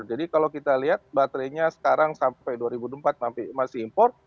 kalau kita lihat baterainya sekarang sampai dua ribu empat masih impor